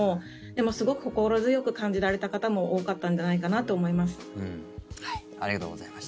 でもすごく心強く感じられた方も多かったんじゃないかなと思います。